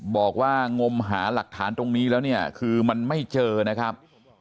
งงมหาหลักฐานตรงนี้แล้วเนี่ยคือมันไม่เจอนะครับ